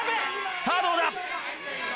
・さぁどうだ？